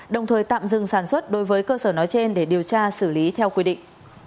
đồng thời tạm dừng sản xuất đối với cơ sở nói trên để điều tra xử lý theo quy định